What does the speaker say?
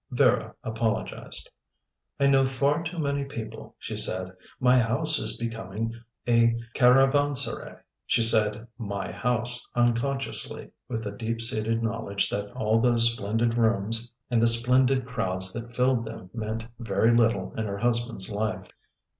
Vera apologised. "I know far too many people," she said; "my house is becoming a caravanserai." She said "my house" unconsciously with the deep seated knowledge that all those splendid rooms and the splendid crowds that filled them meant very little in her husband's life.